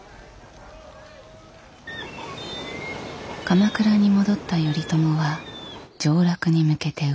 鎌倉に戻った頼朝は上洛に向けて動き出す。